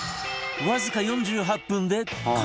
わずか４８分で完売